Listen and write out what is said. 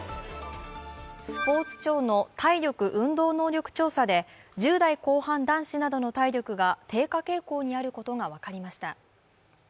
スポーツ庁の体力・運動能力調査で１０代後半男子などの体力が低下傾向にあることがわかりました。